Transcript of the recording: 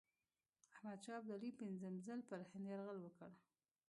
احمدشاه ابدالي پنځم ځل پر هند یرغل وکړ.